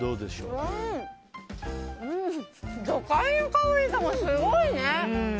魚介の香りがすごいね。